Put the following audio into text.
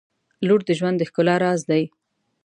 • لور د ژوند د ښکلا راز دی.